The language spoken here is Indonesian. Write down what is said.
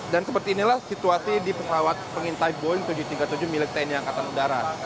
seperti inilah situasi di pesawat pengintai boeing tujuh ratus tiga puluh tujuh milik tni angkatan udara